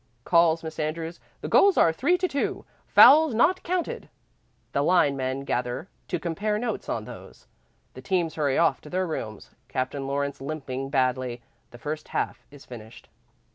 calls Miss Andrews. "The goals are three to two, fouls not counted." The line men gather to compare notes on those. The teams hurry off to their rooms, Captain Lawrence limping badly. The first half is finished.